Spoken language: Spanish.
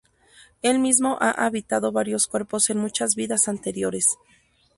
El mismo ha habitado varios cuerpos en muchas vidas anteriores.